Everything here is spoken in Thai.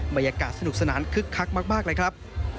บรรยากาศสนุกสนานคึกคักมากเลยครับ